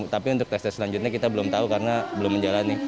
tapi untuk tes tes selanjutnya kita belum tahu karena belum menjalani